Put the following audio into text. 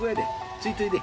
ついといで。